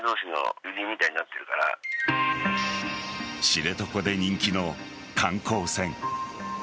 知床で人気の観光船。